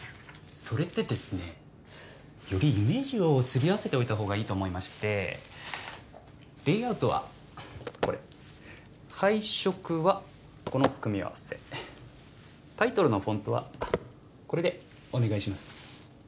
それでですねよりイメージをすり合わせておいた方がいいと思いましてレイアウトはこれ配色はこの組み合わせタイトルのフォントはこれでお願いします